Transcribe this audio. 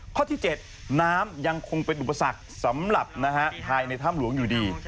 ข้อที่๗น้ำยังคงเป็นอุปสรรคสำหรับภายในถ้ำหลวงอยู่ดี